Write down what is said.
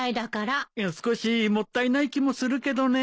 いや少しもったいない気もするけどね。